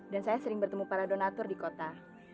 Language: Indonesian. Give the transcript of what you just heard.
dan saya sering bertemu para donatur di kota